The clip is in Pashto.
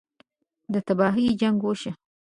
ده تباهۍ جـنګ وشو.